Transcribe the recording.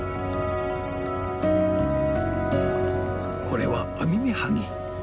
これはアミメハギ。